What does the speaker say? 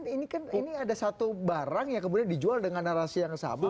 ini kan ini ada satu barang yang kemudian dijual dengan narasi yang sama